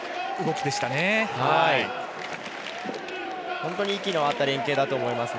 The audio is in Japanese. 本当に息の合った連係だと思います。